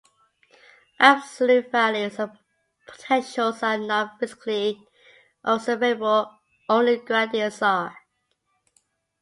Absolute values of potentials are not physically observable, only gradients are.